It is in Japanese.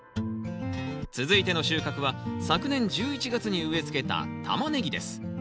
続いての収穫は昨年１１月に植えつけたタマネギです。